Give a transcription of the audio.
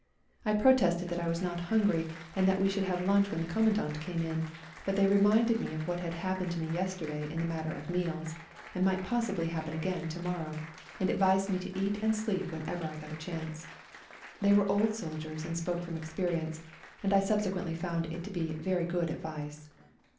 I protested that I was not hungry, and that we should have lunch when the Commandant came in, 77 78 A COLD NIGHT RIDE but they reminded me of what had hap pened to me yesterday in the matter of meals, and might possibly happen again to morrow, and advised me to eat and sleep whenever I got a chance. They were old soldiers and spoke from experience, and I subsequently found it to be very good advice.